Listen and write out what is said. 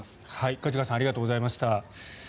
梶川さんありがとうございました。